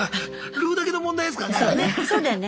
ルーだけの問題ですからねあれね。